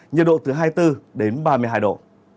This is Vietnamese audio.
nhiệt độ từ hai mươi bốn đến ba mươi hai độ